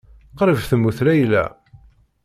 Qrib temmut Layla.